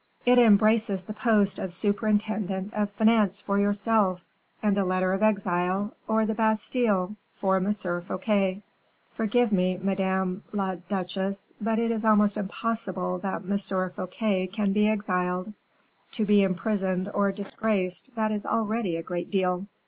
"It embraces the post of superintendent of finance for yourself, and a letter of exile, or the Bastile, for M. Fouquet." "Forgive me, madame la duchesse, but it is almost impossible that M. Fouquet can be exiled; to be imprisoned or disgraced, that is already a great deal."